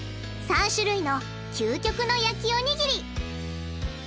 ３種類の究極の焼きおにぎり！